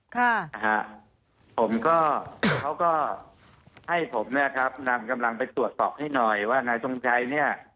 ค่ะนะฮะผมก็เขาก็ให้ผมเนี่ยครับนำกำลังไปตรวจสอบให้หน่อยว่านายทรงชัยเนี่ย